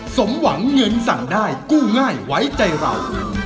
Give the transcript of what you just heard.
สมหวังเงินสั่งได้กู้ง่ายไว้ใจเรา